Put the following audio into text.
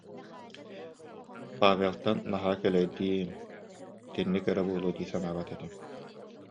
Павелтан наһаа кэлэйди-им, итинник эрэ буолуо дии санаабат этим